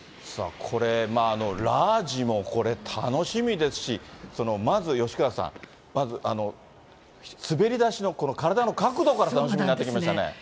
さあ、これ、ラージもこれ楽しみですし、まず吉川さん、まず、滑り出しのこの体の角度から楽しみになってきましたね。